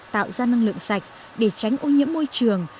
tạo ra năng lượng sạch để tránh ô nhiễm môi trường